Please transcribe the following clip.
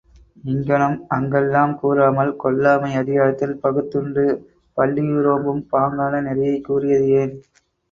இங்ஙனம், அங்கெல்லாம் கூறாமல், கொல்லாமை அதிகாரத்தில் பகுத்துண்டு பல்லுயிரோம்பும் பாங்கான நெறியைக் கூறியது ஏன்?